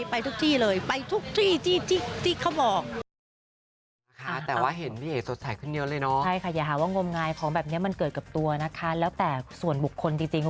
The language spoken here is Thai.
ไปทุกที่เลยไปทุกที่ที่เขาบอกนะคะ